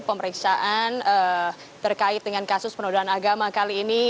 pemeriksaan terkait dengan kasus penodaan agama kali ini